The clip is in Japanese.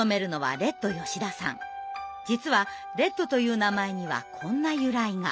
実はレッドという名前にはこんな由来が。